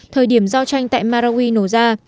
thời điểm giao tranh tại marawi nổ ra